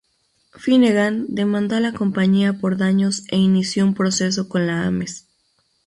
Finnegan demandó a la compañía por daños e inició un proceso con la Ames.